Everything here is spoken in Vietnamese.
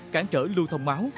cản trở lưu thông máu